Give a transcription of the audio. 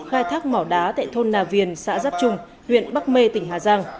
khai thác mỏ đá tại thôn nà viền xã giáp trung huyện bắc mê tỉnh hà giang